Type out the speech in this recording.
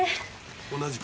同じく。